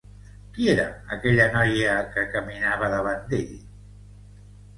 Qui era aquella noia que caminava davant d'ell?